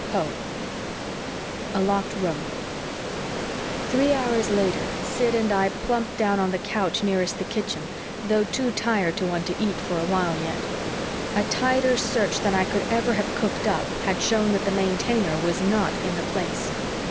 Poe A LOCKED ROOM Three hours later, Sid and I plumped down on the couch nearest the kitchen, though too tired to want to eat for a while yet. A tighter search than I could ever have cooked up had shown that the Maintainer was not in the Place.